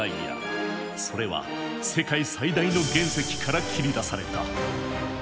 一つはそれは世界最大の原石から切り出された。